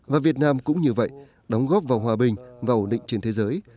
và việt nam cũng như vậy đóng góp vào hòa bình và ổn định trên thế giới